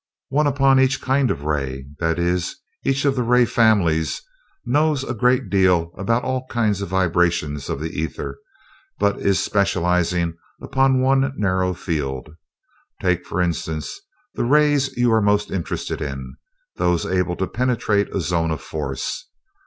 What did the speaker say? "One upon each kind of ray. That is, each of the ray families knows a great deal about all kinds of vibrations of the ether, but is specializing upon one narrow field. Take, for instance, the rays you are most interested in; those able to penetrate a zone of force.